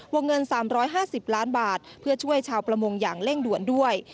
วงเงิน๓๕๐ล้านบาทเพื่อช่วยชาวประมงอย่างเร่งด่วนด้วย